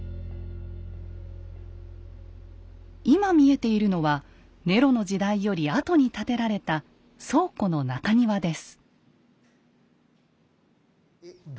今見えているのはネロの時代より後に建てられた倉庫の中庭です。